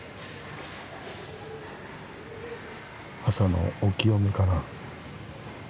朝のお清めかな。